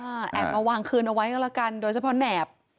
แอบมาวางคืนเอาไว้ก็แล้วกันโดยเฉพาะแหนบ